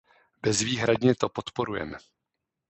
Bezvýhradně to podporujeme.